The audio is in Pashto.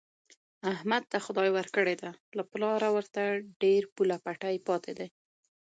احمد ته خدای ورکړې ده، له پلاره ورته ډېر پوله پټی پاتې دی.